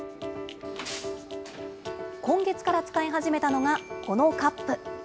今月から使い始めたのが、このカップ。